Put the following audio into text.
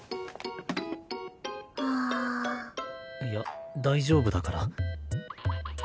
いや大丈夫だから。